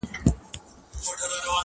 باروتي زلفو دې دومره راگير کړی،